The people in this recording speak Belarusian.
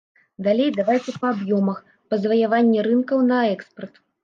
Далей давайце па аб'ёмах, па заваяванні рынкаў на экспарт.